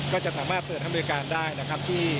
ก็จะสามารถเปิดทำบริการได้